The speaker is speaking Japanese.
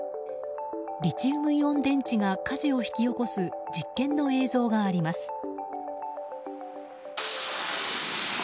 リチウムイオン電池が火事を引き起こす実験の映像があります。